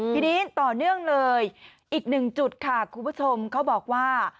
ทีนี้ต่อเนื่องเลยอีกหนึ่งจุดค่ะคุณผู้ชมเขาบอกว่า